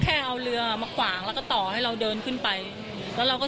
พูดสิทธิ์ข่าวธรรมดาทีวีรายงานสดจากโรงพยาบาลพระนครศรีอยุธยาครับ